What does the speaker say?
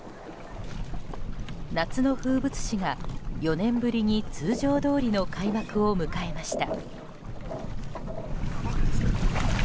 夏の風物詩が４年ぶりに通常どおりの開幕を迎えました。